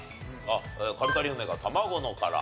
カリカリ梅が卵の殻。